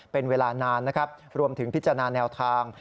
เป็นเวลานานนะครับรวมถึงพิจารณาแนวทาง